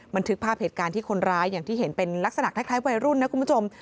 บันทึกภาพเหตุการณ์ที่คนร้ายอย่างที่เห็นเป็นลักษณะคล้ายวัยรุ่นนะคุณผู้ชม